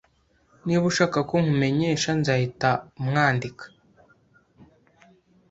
Niba ushaka ko nkumenyesha, nzahita umwandika